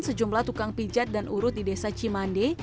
sejumlah tukang pijat dan urut di desa cimande